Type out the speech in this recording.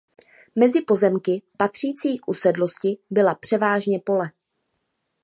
Mezi pozemky patřící k usedlosti byla převážně pole.